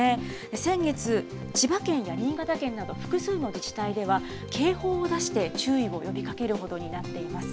先月、千葉県や新潟県など複数の自治体では、警報を出して注意を呼びかけるほどになっています。